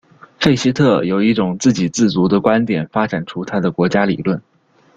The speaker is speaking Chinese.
费希特由一种自给自足的观点发展出他的国家理论。